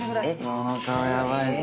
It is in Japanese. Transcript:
その顔ヤバいぞ。